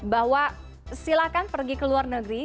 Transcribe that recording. bahwa silakan pergi ke luar negeri